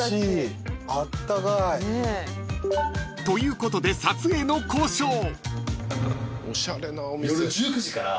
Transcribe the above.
［ということで撮影の交渉］